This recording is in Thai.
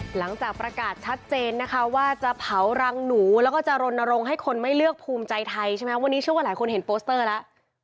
หลังจากประกาศชัดเจนนะคะว่าจะเผารังหนูแล้วก็จะรณรงค์ให้คนไม่เลือกภูมิใจไทยใช่ไหมวันนี้เชื่อว่าหลายคนเห็นโปสเตอร์แล้ว